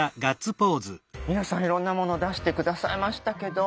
皆さんいろんなもの出して下さいましたけど。